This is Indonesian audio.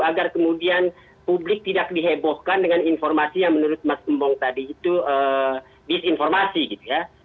agar kemudian publik tidak dihebohkan dengan informasi yang menurut mas gembong tadi itu disinformasi gitu ya